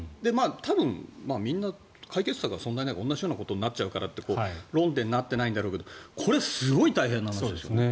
多分、みんな解決策は同じようなことになっちゃうからって論点になっていないんだろうけどこれ、すごい大変な話ですよ。